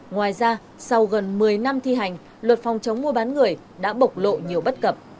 ngoài ra sau gần một mươi năm thi hành luật phòng chống mua bán người đã bộc lộ nhiều bất cập